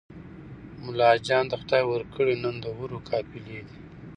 ملاجان ته خدای ورکړي نن د حورو قافلې دي